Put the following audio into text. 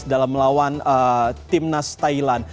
dalam melawan timnas thailand